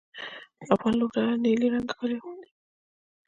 افغان لوبډله نیلي رنګه کالي اغوندي.